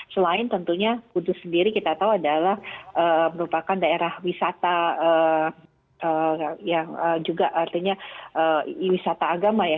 selain tentunya kudus sendiri kita tahu adalah merupakan daerah wisata yang juga artinya wisata agama ya